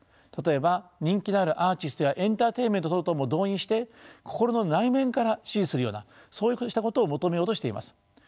例えば人気のあるアーティストやエンターテインメント等々も動員して心の内面から支持するようなそうしたことを求めようとしています。